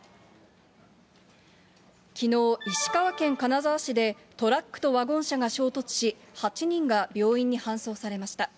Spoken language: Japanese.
きのう、石川県金沢市でトラックとワゴン車が衝突し、８人が病院に搬送されました。